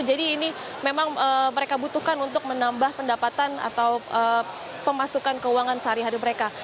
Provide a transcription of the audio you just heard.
jadi ini memang mereka butuhkan untuk menambah pendapatan atau pemasukan keuangan sehari hari mereka